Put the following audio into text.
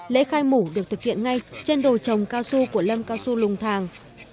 lễ khai mủ được thực hiện ngay trên đồi trồng cao su của lâm cao su lùng thàng